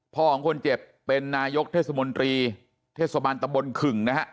ของคนเจ็บเป็นนายกเทศมนตรีเทศบาลตะบนขึ่งนะฮะ